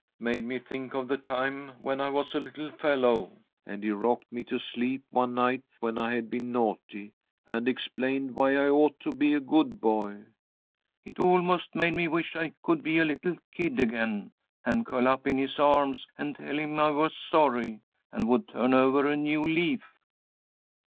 Made me think of the time when I was a little fellow, and he rocked me to sleep one night when I had been naughty, and explained why I ought to be a good boy. It almost made me wish I could be a little kid again, and curl up in his arms, and tell him I was sorry, and would turn over a new leaf."